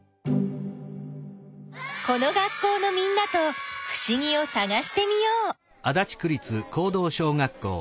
この学校のみんなとふしぎをさがしてみよう。